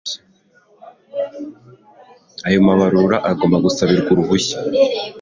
Ayo mabarura agomba gusabirwa uruhushya